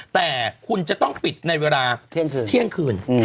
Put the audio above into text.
แต่คุณจะต้องปิดในเวลาเที่ยงคืน